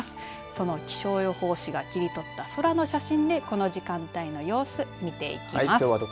その気象予報士が切り取った空の写真でこの時間帯の様子見ていきます。